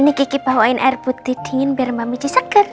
ini kiki bawain air putih dingin biar mbak miki seger